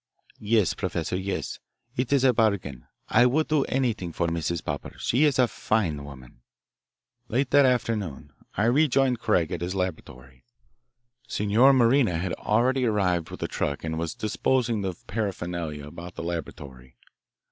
"Yes, Professor, yes. It is a bargain. I would do anything for Mrs. Popper she is a fine woman." Late that afternoon I rejoined Craig at his laboratory. Signor Marina had already arrived with a truck and was disposing the paraphernalia about the laboratory.